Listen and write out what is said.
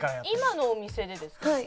今のお店でですか？